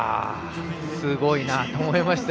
すごいなと思いましたよ。